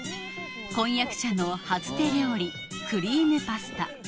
婚約者の初手料理クリームパスタ